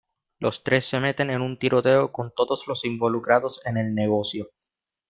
Los tres se meten en un tiroteo con todos los involucrados en el negocio.